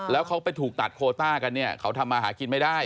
แล้วเขาไปถูกตัดโคต้ากันเนี่ยเขาทำมาหากินไม่ได้